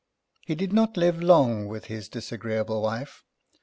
He did not live long with his disagreeable wife.